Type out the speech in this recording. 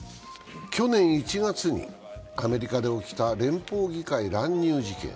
去年１月にアメリカで起きた連邦議会乱入事件。